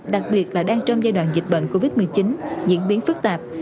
đặc biệt là đang trong giai đoạn dịch bệnh covid một mươi chín diễn biến phức tạp